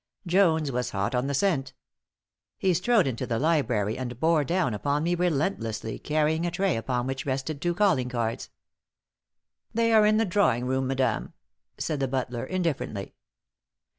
Jones was hot on the scent. He strode into the library and bore down upon me relentlessly, carrying a tray upon which rested two calling cards. "They are in the drawing room, madame," said the butler, indifferently.